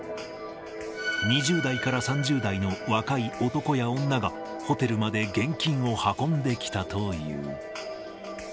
２０代から３０代の若い男や女が、ホテルまで現金を運んできたという。